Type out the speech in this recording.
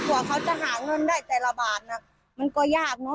กว่าเขาจะหาเงินได้แต่ละบาทมันก็ยากเนอะ